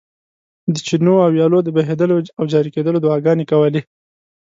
د چینو او ویالو د بهېدلو او جاري کېدلو دعاګانې کولې.